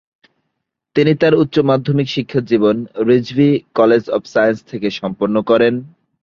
তিনি তার উচ্চ মাধ্যমিক শিক্ষাজীবন "রিজভী কলেজ অব সাইন্স" থেকে সম্পন্ন করেন।